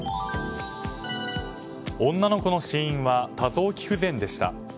女の子の死因は多臓器不全でした。